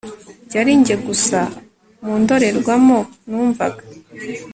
yari njye gusa mu ndorerwamo, numvaga